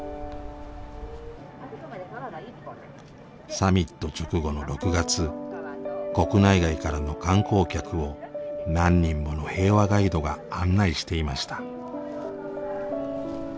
サミット直後の６月国内外からの観光客を何人もの平和ガイドが案内していました。